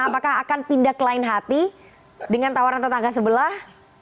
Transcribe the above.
apakah akan tindak lain hati dengan tawaran tetangga sebelah